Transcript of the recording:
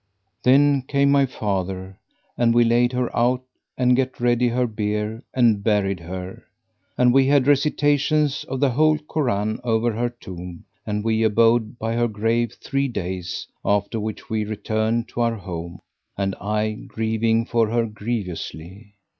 Then came my father, and we laid her out and get ready her bier and buried her; and we had recitations of the whole Koran over her tomb and we abode by her grave three days, after which we returned to our home, and I grieving for her grievously.